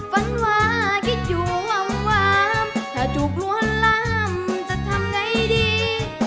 ฝันว่าคิดอยู่ว่ามถ้าถูกล้วนลามจะทำไงดี